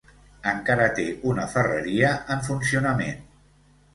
Encara té una ferreria en funcionament.